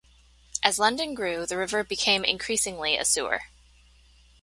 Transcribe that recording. As London grew, the river became increasingly a sewer.